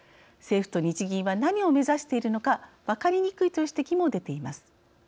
政府と日銀は何を目指しているのか分かりにくいという指摘も出ています。